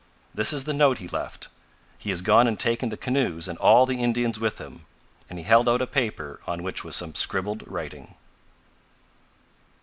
"This is the note he left. He has gone and taken the canoes and all the Indians with him," and he held out a paper on which was some scribbled writing.